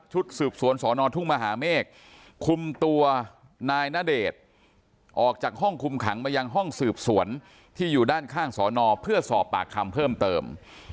สืบสวนสอนอทุ่งมหาเมฆคุมตัวนายณเดชน์ออกจากห้องคุมขังมายังห้องสืบสวนที่อยู่ด้านข้างสอนอเพื่อสอบปากคำเพิ่มเติม